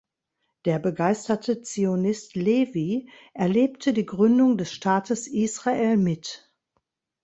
Der begeisterte Zionist Lewy erlebte die Gründung des Staates Israel mit.